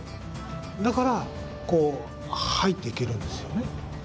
だからこう入っていけるんですよね。